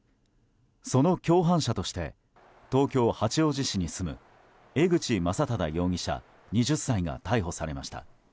その共犯者として東京・八王子市に住む江口将匡容疑者、２０歳が逮捕されました。